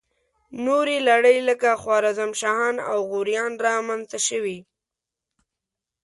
نورې لړۍ لکه خوارزم شاهان او غوریان را منځته شوې.